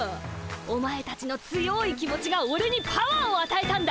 お前たちの強い気持ちがオレにパワーをあたえたんだ。